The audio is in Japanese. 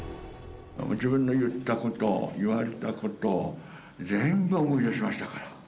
自分の言ったこと、言われたこと、全部思い出しましたから。